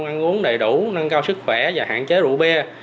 ăn uống đầy đủ nâng cao sức khỏe và hạn chế rượu bia